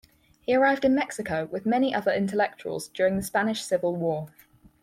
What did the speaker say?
He arrived in Mexico with many other intellectuals during the Spanish Civil War.